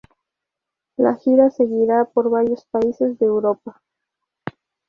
La Gira seguirá por varios países de Europa.